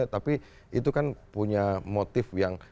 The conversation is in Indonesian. tapi itu kan punya motif yang